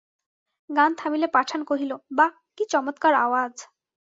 গান থামিলে পাঠান কহিল, বাঃ কী চমৎকার আওয়াজ।